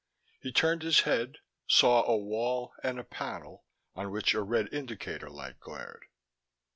He turned his head, saw a wall and a panel on which a red indicator light glared.